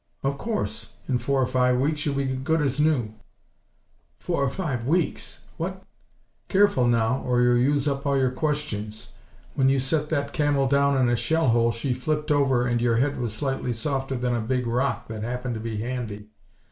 "Of course! In four or five weeks you'll be good as new." "Four or five weeks! What " "Careful now, or you'll use up all your questions. When you set that Camel down in a shell hole she flipped over and your head was slightly softer than a big rock that happened to be handy.